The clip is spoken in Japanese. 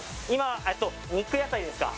肉野菜ですか？